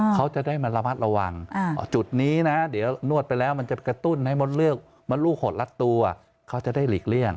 เขาจะได้มาระมัดระวังจุดนี้นะเดี๋ยวนวดไปแล้วมันจะกระตุ้นให้มดเลือกมดลูกหดรัดตัวเขาจะได้หลีกเลี่ยง